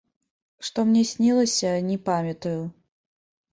Што мне снілася, не памятаю.